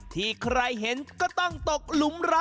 ที่ใครเห็นก็ต้องมีเค้าเข้าที่แสงขนขึ้นให้ดูนะคะ